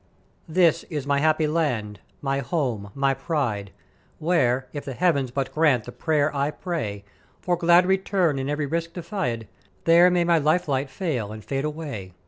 "This is my happy land, my home, my pride; where, if the Heav'ens but grant the pray'er I pray for glad return and every risk defied, there may my life light fail and fade away.